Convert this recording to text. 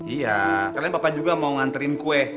iya sekarang papa juga mau nganterin kue